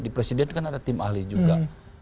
di presiden kan ada tim ahli juga